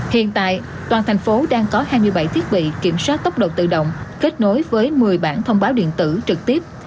hiện tại toàn thành phố đang có hai mươi bảy thiết bị kiểm soát tốc độ tự động kết nối với một mươi bản thông báo điện tử trực tiếp